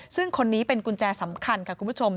ซึ่งคนนี้เป็นกุญแจสำคัญค่ะคุณผู้ชม